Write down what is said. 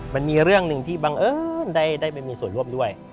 มันมีเรื่องหนึ่งที่บังเอิญได้ไปมีส่วนร่วมด้วย